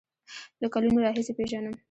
له کلونو راهیسې پیژنم.